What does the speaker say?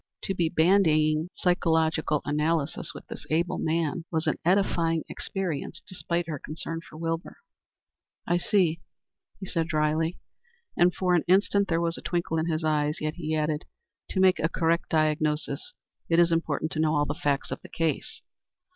To be bandying psychological analyses with this able man was an edifying experience despite her concern for Wilbur. "I see," he answered dryly, and for an instant there was a twinkle in his eyes. Yet he added, "To make a correct diagnosis it is important to know all the facts of the case."